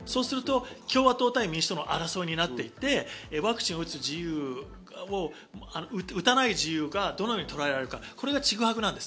共和党対民主党の争いになっていってワクチンを打つ自由と打たない自由がどのようにとらえられるか、ちぐはぐなんです。